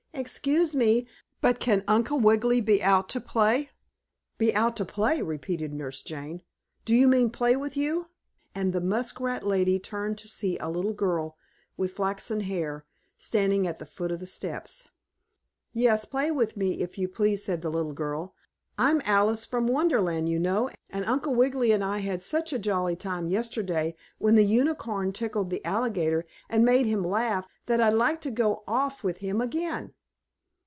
"Excuse me, but can Uncle Wiggily be out to play?" "Be out to play?" repeated Nurse Jane. "Do you mean play with you?" and the muskrat lady turned to see a little girl, with flaxen hair, standing at the foot of the steps. "Yes, play with me, if you please," said the little girl. "I'm Alice from Wonderland, you know, and Uncle Wiggily and I had such a jolly time yesterday, when the Unicorn tickled the alligator and made him laugh, that I'd like to go off with him again."